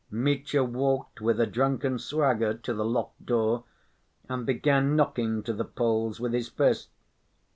Mitya walked with a drunken swagger to the locked door, and began knocking to the Poles with his fist.